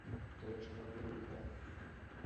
তোদের সবাইকে গুলি করা হবে!